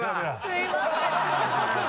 すいません。